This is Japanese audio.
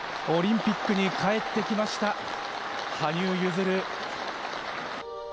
オリンピックに帰ってきました羽生結弦。